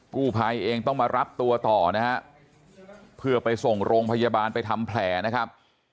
กู้ภัยเองต้องมารับตัวต่อนะฮะเพื่อไปส่งโรงพยาบาลไปทำแผลนะครับ